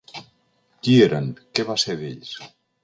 ¿Qui eren, què va ser d’ells?